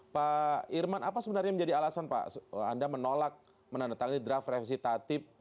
pak irman apa sebenarnya menjadi alasan pak anda menolak menandatangani draft revisi tatip